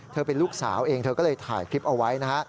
เธอเป็นลูกสาวเองเธอก็เลยถ่ายคลิปเอาไว้นะฮะ